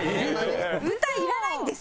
豚いらないんです。